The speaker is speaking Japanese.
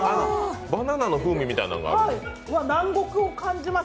バナナの風味みたいなのがある？